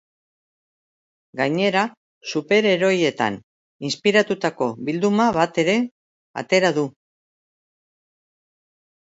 Gainera, superheroietan inspiratutako bilduma bat ere atera du.